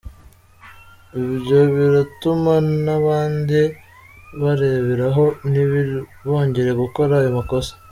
Ibyo biratuma n’abandi bareberaho ntibongere gukora ayo makosa”.